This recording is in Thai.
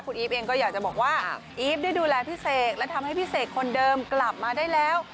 อีฟเองก็อยากจะบอกว่าอีฟได้ดูแลพี่เสกและทำให้พี่เสกคนเดิมกลับมาได้แล้ว